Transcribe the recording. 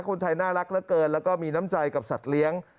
คนไทยน่ารักเหลือเกินแล้วก็มีน้ำใจกับสัตว์เลี้ยง